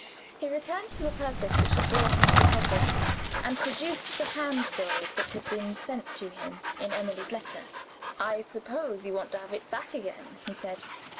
He returned to the purpose which had brought him to the cottage and produced the Handbill that had been sent to him in Emily's letter. "I suppose you want to have it back again?" he said.